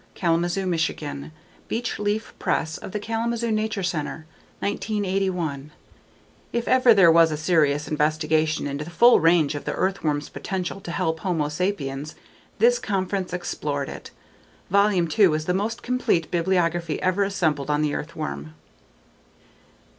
Kalamazoo, Michigan: Beech Leaf Press of the Kalamazoo Nature Center, 1981. If ever there was a serious investigation into the full range of the earthworm's potential to help Homo Sapiens, this conference explored it. Volume II is the most complete bibliography ever assembled on the earthworm.